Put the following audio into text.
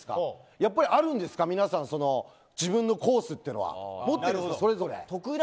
やっぱりあるんですか皆さん自分のコースというのは持ってるんですか、それぞれ。